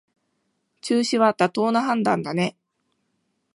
中止は妥当な判断だね